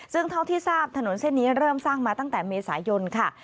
ซึ่งเท่าที่ทราบถนนเส้นนี้เริ่มสร้างมาตั้งแต่เมษายนค่ะ